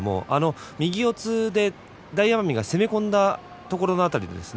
右四つで大奄美が攻め込んだところをですね